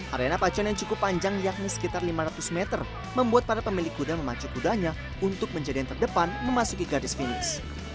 arena pacuan yang cukup panjang yakni sekitar lima ratus meter membuat para pemilik kuda memacu kudanya untuk menjadi yang terdepan memasuki garis finis